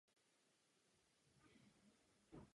Vydala několik knih na téma vzdělávání a status žen.